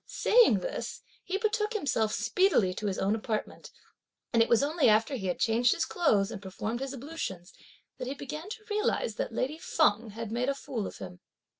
Saying this, he betook himself speedily to his own apartment; and it was only after he had changed his clothes and performed his ablutions, that he began to realise that lady Feng had made a fool of him.